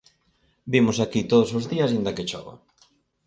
Vimos aquí todos os días aínda que chova.